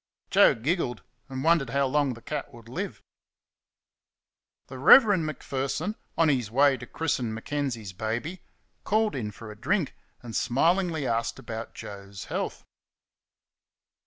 Joe giggled and wondered how long the cat would live. The Rev. Macpherson, on his way to christen M'Kenzie's baby, called in for a drink, and smilingly asked after Joe's health.